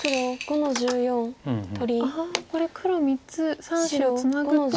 これ黒３つ３子をツナぐと。